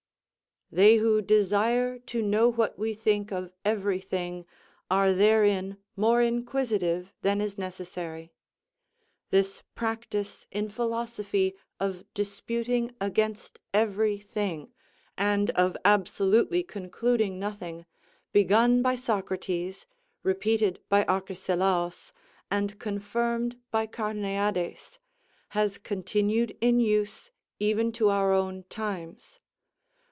_ "They who desire to know what we think of every thing are therein more inquisitive than is necessary. This practice in philosophy of disputing against every thing, and of absolutely concluding nothing, begun by Socrates, repeated by Arcesilaus, and confirmed by Cameades, has continued in use even to our own times.